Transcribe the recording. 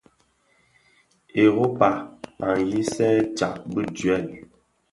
Europa a ňyisè tsag bi duel.